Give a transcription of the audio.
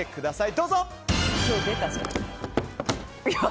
どうぞ！